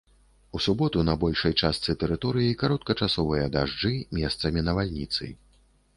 У суботу на большай частцы тэрыторыі кароткачасовыя дажджы, месцамі навальніцы.